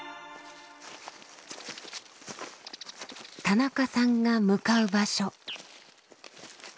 田中さんが向かう場所。